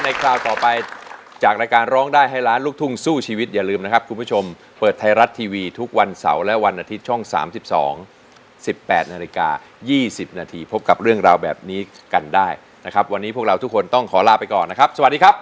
คราวต่อไปจากรายการร้องได้ให้ล้านลูกทุ่งสู้ชีวิตอย่าลืมนะครับคุณผู้ชมเปิดไทยรัฐทีวีทุกวันเสาร์และวันอาทิตย์ช่อง๓๒๑๘นาฬิกา๒๐นาทีพบกับเรื่องราวแบบนี้กันได้นะครับวันนี้พวกเราทุกคนต้องขอลาไปก่อนนะครับสวัสดีครับ